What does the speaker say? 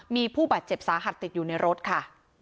มีผู้บาดเจ็บสาหัสติดอยู่ในรถค่ะ